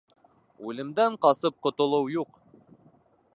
Үлемдән ҡасып ҡотолоу юҡ.